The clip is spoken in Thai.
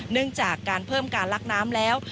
เนื่องจากการเพิ่มการลักน้ำแล้ว